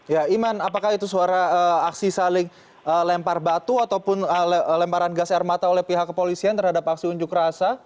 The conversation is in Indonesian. ya iman apakah itu suara aksi saling lempar batu ataupun lemparan gas air mata oleh pihak kepolisian terhadap aksi unjuk rasa